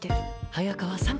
早川さん。